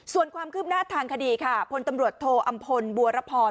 ส่วนความคืบหน้าทางคดีค่ะพลตำรวจโทอำพลบัวรพร